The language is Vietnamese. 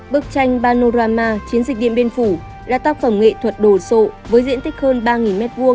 bức tranh panorama chiến dịch điện biên phủ là tác phẩm nghệ thuật đồ sộ với diện tích hơn ba m hai